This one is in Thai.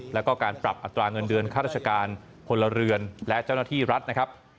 แล้วก็การปรับอัตราเงินเดือนค่าราชการพลเรือนและเจ้าหน้าที่รัฐนะครับ